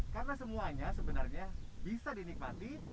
karena semuanya sebenarnya bisa dinikmati